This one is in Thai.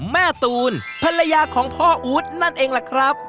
แม่ตูนภรรยาของพ่ออู๊ดนั่นเองล่ะครับ